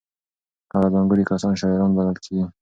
هغه ځانګړي کسان شاعران بلل کېږي.